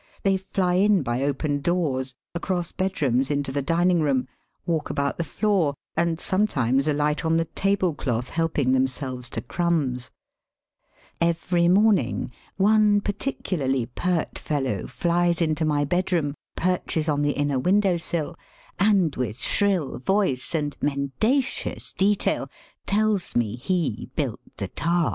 They fly in by open doors, across bedrooms into the dining room, walk about the floor, and sometimes alight on the tablecloth, helping themselves to crumbs. Digitized by VjOOQIC n THE WONDER OF INDIA." 281 Every morning one particularly pert fellow flies into my bedroom, perches on the inner window sill, and with shrill voice and men dacious detail tells me he built the Taj.